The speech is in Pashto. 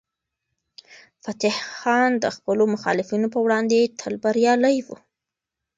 فتح خان د خپلو مخالفینو په وړاندې تل بریالی و.